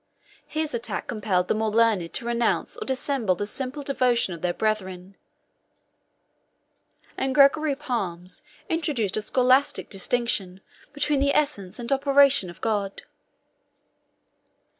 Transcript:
His attack compelled the more learned to renounce or dissemble the simple devotion of their brethren; and Gregory Palamas introduced a scholastic distinction between the essence and operation of God.